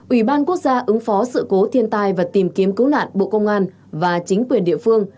ủy ban quốc gia ứng phó sự cố thiên tai và tìm kiếm cứu nạn bộ công an và chính quyền địa phương